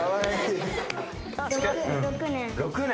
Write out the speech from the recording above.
６年６年？